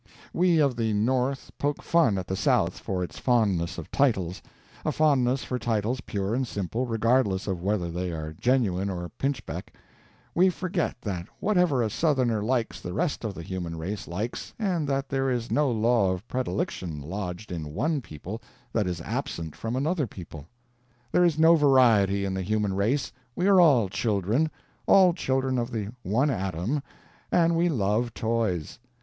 We of the North poke fun at the South for its fondness of titles a fondness for titles pure and simple, regardless of whether they are genuine or pinchbeck. We forget that whatever a Southerner likes the rest of the human race likes, and that there is no law of predilection lodged in one people that is absent from another people. There is no variety in the human race. We are all children, all children of the one Adam, and we love toys.